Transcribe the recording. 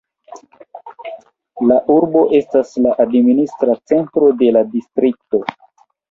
La urbo estas la administra centro de la distrikto.